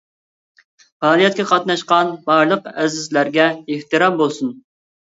پائالىيەتكە قاتناشقان بارلىق ئەزىزلەرگە ئېھتىرام بولسۇن!